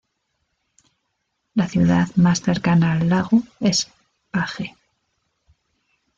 La ciudad más cercana al lago es Page.